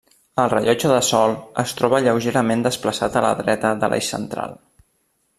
El rellotge de sol es troba lleugerament desplaçat a la dreta de l'eix central.